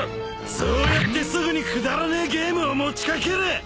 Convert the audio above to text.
そうやってすぐにくだらねえゲームを持ち掛ける！